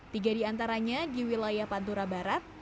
tiga di antaranya di wilayah pantura barat